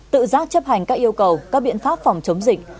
tự giác chấp hành các yêu cầu các biện pháp phòng chống dịch